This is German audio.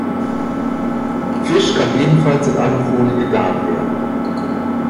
Fisch kann ebenfalls in Alufolie gegart werden.